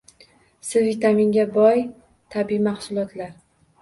C vitaminiga boy tabiiy mahsulotlar